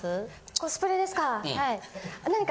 コスプレですか？